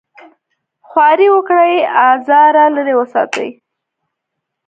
خواري وکړي ازاره لرې وساتي.